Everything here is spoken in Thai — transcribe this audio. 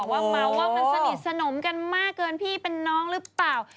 ว่าเมาว่ามันสนิทสนมกันมากเกินพี่เป็นน้องหรือเปล่า